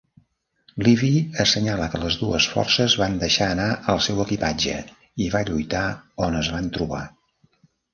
Livy assenyala que les dues forces van deixar anar el seu equipatge i va lluitar on es van trobar.